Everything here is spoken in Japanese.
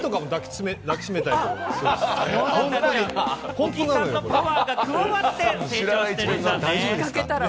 小木さんのパワーが加わって成長しているんだね。